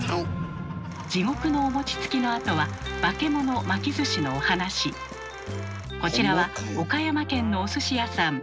「地獄のお餅つき」のあとはこちらは岡山県のお寿司屋さん。